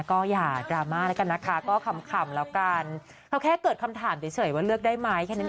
ก็อย่าดราม่าแล้วกันนะคะก็ขำแล้วกันเขาแค่เกิดคำถามเฉยว่าเลือกได้ไหมแค่นั้น